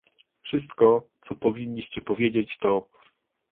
Wszystko, co powinniście powiedzieć, to